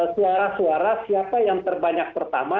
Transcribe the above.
suara suara siapa yang terbanyak pertama